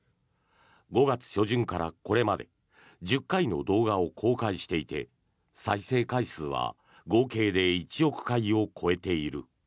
５月初旬からこれまで１０回の動画を公開していて再生回数は合計で１億回を超えている。